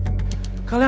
nanti gua kasih pelajaran